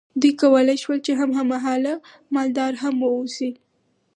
دوی کولی شول چې هم مهاله مالدار هم واوسي.